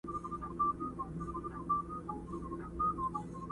هغه خپل ځانګړی فورم لري او نثر يې له نورو څخه بېل رنګ لري،